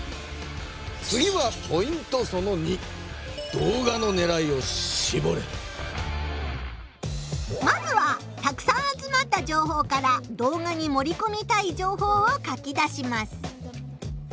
次はまずはたくさん集まった情報から動画にもりこみたい情報を書き出します。